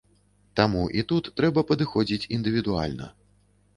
Таму і тут трэба падыходзіць індывідуальна.